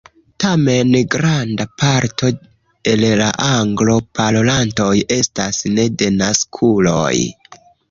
Tamen, granda parto el la Anglo-parolantoj estas ne-denaskuloj.